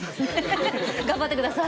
頑張って下さい。